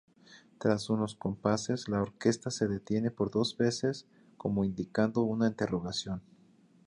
Tras unos compases la orquesta se detiene por dos veces como indicando una interrogación.